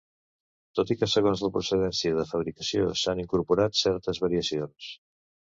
Tot i que segons la procedència de fabricació s'han incorporat certes variacions.